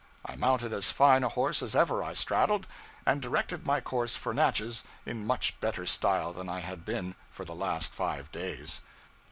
I mounted as fine a horse as ever I straddled, and directed my course for Natchez in much better style than I had been for the last five days.